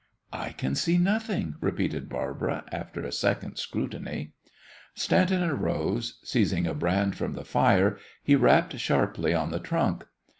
"I can see nothing," repeated Barbara, after a second scrutiny. Stanton arose. Seizing a brand from the fire, he rapped sharply on the trunk.